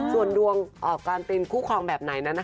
ส่วนดวงการเป็นคู่ครองแบบไหนนั้น